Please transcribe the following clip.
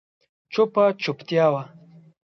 چوپه چوپتيا وه.